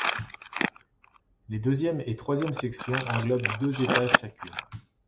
Les deuxième et troisième sections englobent deux étages chacune.